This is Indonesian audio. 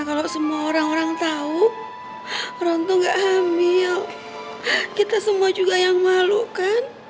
kalau semua orang orang tahu orang tua gak hamil kita semua juga yang malu kan